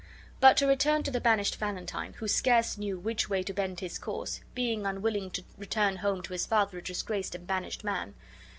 But to return to the banished Valentine, who scarce knew which way to bend his course, being unwilling to return home to his father a disgraced and banished man.